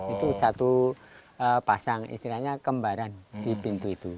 itu satu pasang istilahnya kembaran di pintu itu